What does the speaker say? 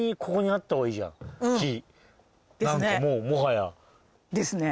木何かもうもはや。ですね。